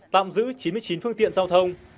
tạm giữ chín mươi chín phương tiện giao thông